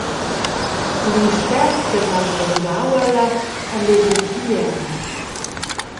Pli spert ch’els han bandunau ella e meglier ch’igl ei.